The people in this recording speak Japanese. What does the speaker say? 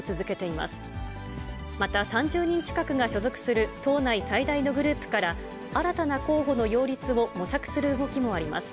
また、３０人近くが所属する党内最大のグループから、新たな候補の擁立を模索する動きもあります。